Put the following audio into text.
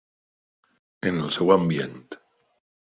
En el seu ambient.